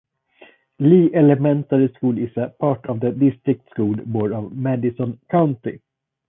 Lee Elementary School is a part of the District School Board of Madison County.